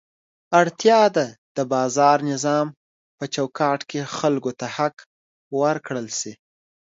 اړتیا ده د بازار نظام په چوکاټ کې خلکو ته حق ورکړل شي.